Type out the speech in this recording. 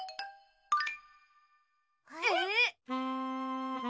えっ？